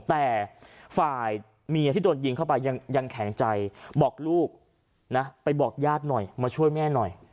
แต่ฝ่ายเมียที่โดนยิงเข้าไปยังแข็งใจบอกลูกนะไปบอกญาติหน่อยมาช่วยแม่หน่อย